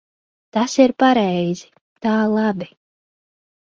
Tas ir pareizi. Tā labi.